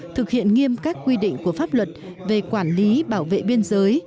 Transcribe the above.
thực hiện nghiêm các quy định của pháp luật về quản lý bảo vệ biên giới